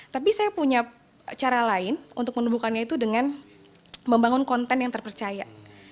tapi saya punya cara lain untuk menemukannya itu dengan membangun konten yang terpercaya